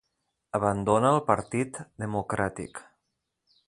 Abandona el Partit Democràtic.